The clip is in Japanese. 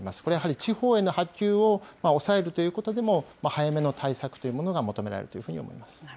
これ、やはり地方への波及を抑えるということでも、早めの対策というものが求められているというふうに思います。